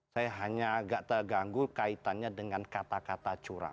saya hanya agak terganggu kaitannya dengan kata kata curang